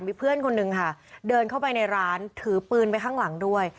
มีเพื่อนคนนึงค่ะเดินเข้าไปในร้านถือปืนไปข้างหลังด้วย